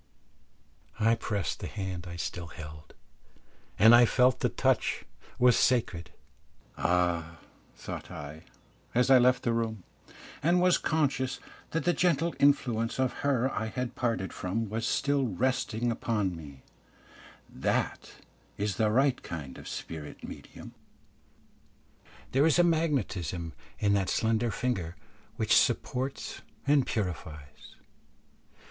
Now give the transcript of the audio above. I pressed the hand I still held, and I felt the touch was sacred. "Ah," thought I, as I left the room, and was conscious that the gentle influence of her I had parted from was still resting upon me, "that is the right kind of spirit medium. There is a magnetism in that slender finger which supports and purifies."